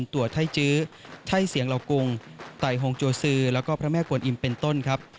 ตัวไทยจื้อไทยเสียงเหล่ากุงไต่หงจัวซือแล้วก็พระแม่กวนอิมเป็นต้นครับ